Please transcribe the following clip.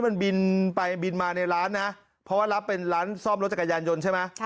มันบินไปบินมาในร้านนะเพราะว่ารับเป็นร้านซ่อมรถจักรยานยนต์ใช่ไหม